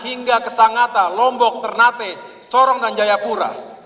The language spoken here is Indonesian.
hingga kesangata lombok ternate sorong dan jayapura